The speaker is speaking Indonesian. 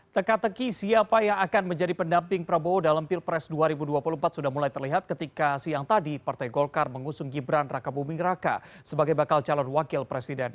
teka teki siapa yang akan menjadi pendamping prabowo dalam pilpres dua ribu dua puluh empat sudah mulai terlihat ketika siang tadi partai golkar mengusung gibran raka buming raka sebagai bakal calon wakil presiden